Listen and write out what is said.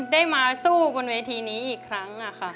แล้วไปบนเวทีนี้อีกครั้ง